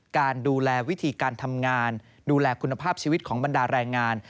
การดูแลวิธีการทำงานดูแลคุณภาพชีวิตของบรรดาแรงงาน